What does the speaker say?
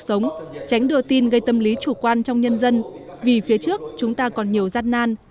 cuộc sống tránh đưa tin gây tâm lý chủ quan trong nhân dân vì phía trước chúng ta còn nhiều gian nan